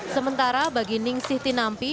sementara bagi ning siti nampi